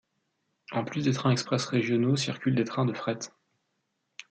En plus des trains express régionaux, circulent des trains de fret.